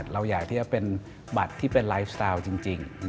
เราอยากที่จะเป็นบัตรที่เป็นไลฟ์สตาร์ทจริง